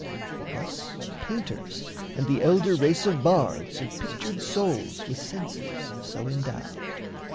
Thus painters and the elder race of bards Have pictured souls with senses so endowed.